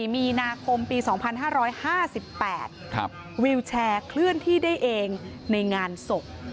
มีนาคมปี๒๕๕๘วิวแชร์เคลื่อนที่ได้เองในงานศพ